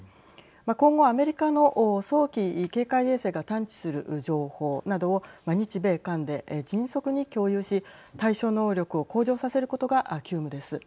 今後、アメリカの早期警戒衛星が探知する情報などを日米韓で迅速に共有し対処能力を向上させることが急務です。